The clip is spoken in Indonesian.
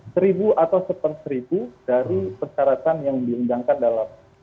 seribu atau sepertribu dari persyaratan yang diundangkan dalam